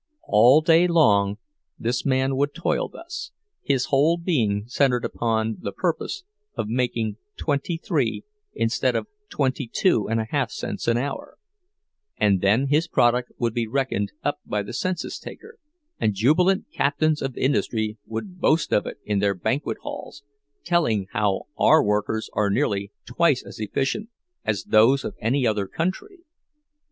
All day long this man would toil thus, his whole being centered upon the purpose of making twenty three instead of twenty two and a half cents an hour; and then his product would be reckoned up by the census taker, and jubilant captains of industry would boast of it in their banquet halls, telling how our workers are nearly twice as efficient as those of any other country.